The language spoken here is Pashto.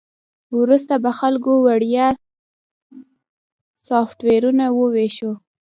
وروسته به خلکو ته وړیا سافټویرونه وویشو